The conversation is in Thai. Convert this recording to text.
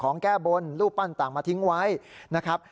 แก้บนรูปปั้นต่างมาทิ้งไว้นะครับ